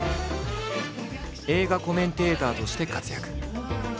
映画コメンテーターとして活躍。